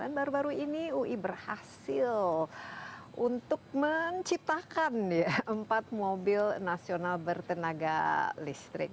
dan baru baru ini ui berhasil untuk menciptakan empat mobil nasional bertenaga listrik